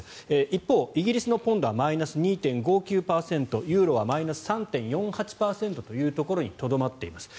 一方、イギリスのポンドはマイナス２．５９％ユーロはマイナス３．４８％にとどまっています。